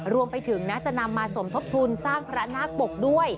รวมไปถึงนะจะนำมาสมทบทุนสร้างพระนาคปกด้วย